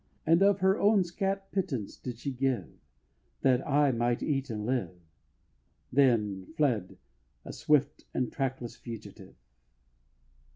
And of her own scant pittance did she give, That I might eat and live: Then fled, a swift and trackless fugitive.